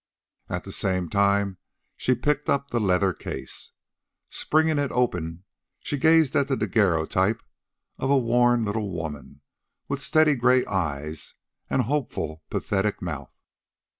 At the same time she picked up the leather case. Springing it open, she gazed at the daguerreotype of a worn little woman with steady gray eyes and a hopeful, pathetic mouth.